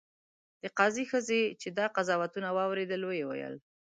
د قاضي ښځې چې دا قضاوتونه واورېدل ویې ویل.